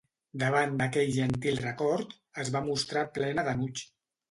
Davant d'aquell gentil record es va mostrar plena d'enuig.